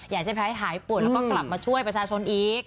อยากให้แพ้หายป่วยแล้วก็กลับมาช่วยประชาชนอีก